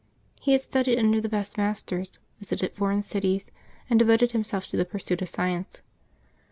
He had studied under the best mas ters, visited foreign cities, and devoted himself to the pursuit of science.